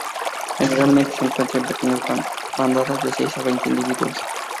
Generalmente se encuentra en pequeñas bandadas de seis a veinte individuos.